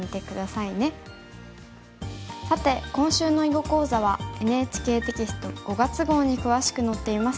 さて今週の囲碁講座はＮＨＫテキスト５月号に詳しく載っています。